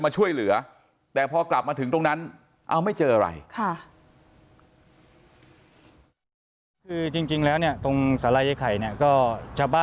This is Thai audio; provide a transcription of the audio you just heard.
สวัสดีครับ